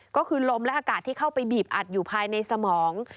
ก็คือลมและอากาศที่เข้าไปบีบอัดอยู่ภายในสมอง